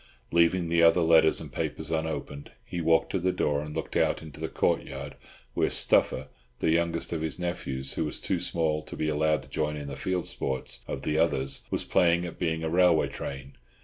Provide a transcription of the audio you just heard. Leaving the other letters and papers unopened, he walked to the door and looked out into the courtyard, where Stuffer, the youngest of his nephews, who was too small to be allowed to join in the field sports of the others, was playing at being a railway train.